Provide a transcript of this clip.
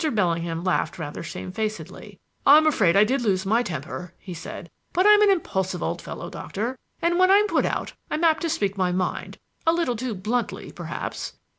Bellingham laughed rather shamefacedly. "I'm afraid I did lose my temper," he said; "but I am an impulsive old fellow, Doctor, and when I'm put out I'm apt to speak my mind a little too bluntly perhaps."